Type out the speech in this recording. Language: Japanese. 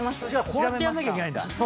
こうやんなきゃいけないんだ。